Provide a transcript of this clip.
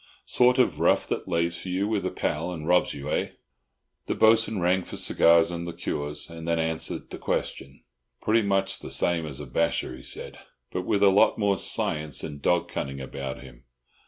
Sort of rough that lays for you with a pal and robs you, eh?" The Bo'sun rang for cigars and liqueurs, and then answered the question. "Pretty much the same as a basher," he said, "but with a lot more science and dog cunning about him.